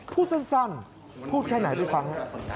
พูดสั้นพูดแค่ไหนด้วยฟัง